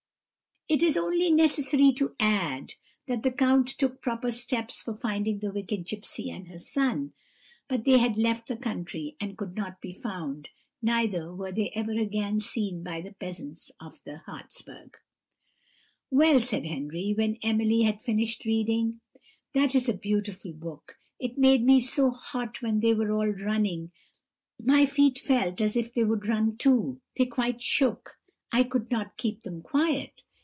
"It is only necessary to add, that the count took proper steps for finding the wicked gipsy and her son, but they had left the country and could not be found; neither were they ever again seen by the peasants of the Hartsberg." "Well," said Henry, when Emily had finished reading, "that is a beautiful book: it made me so hot when they were all running, my feet felt as if they would run too they quite shook I could not keep them quiet."